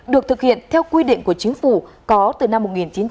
được thực hiện theo quy định của chính phủ có từ năm một nghìn chín trăm chín mươi